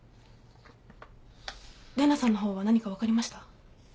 玲奈さんの方は何か分かりました？